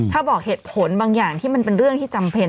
ถ้าบอกเหตุผลบางอย่างที่มันเป็นเรื่องที่จำเป็น